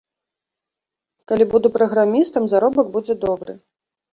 Калі буду праграмістам, заробак будзе добры.